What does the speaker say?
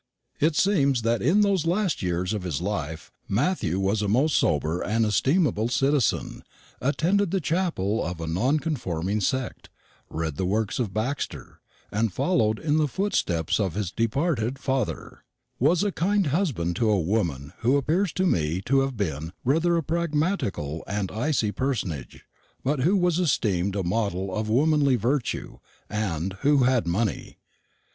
It seems that in those last years of his life Matthew was a most sober and estimable citizen; attended the chapel of a nonconforming sect; read the works of Baxter, and followed in the footsteps of his departed father; was a kind husband to a woman who appears to me to have been rather a pragmatical and icy personage, but who was esteemed a model of womanly virtue, and who had money.